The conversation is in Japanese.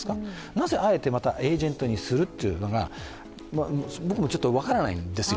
なぜあえてまたエージェントにするっていうのが僕もちょっと分からないんですよ。